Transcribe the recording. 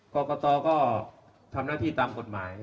กรกตก็ทำหน้าที่ตามกฎหมาย